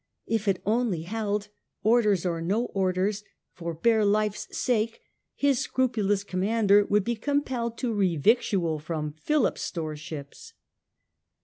If it only held, orders or no orders, for bare life's sake his scrupulous commander would be com pelled to revictual from Philip's storeships.